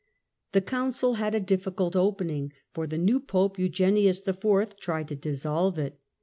The Council had a difficult opening, for the new Pope Eugenius IV. tried to dissolve it.